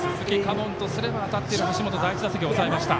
門とすれば当たっている橋本の第１打席を抑えました。